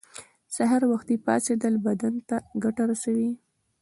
سهار وختی پاڅیدل بدن ته ګټه رسوی